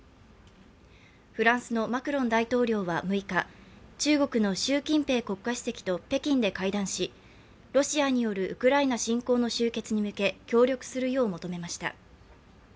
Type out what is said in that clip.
フランスのマクロン大統領は６日、中国の習近平国家主席と北京で会談し、ロシアによるウクライナ侵攻の終結に向け、協力するよう求めました。